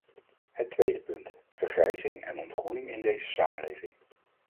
Het tweede punt: vergrijzing en ontgroening in deze samenleving.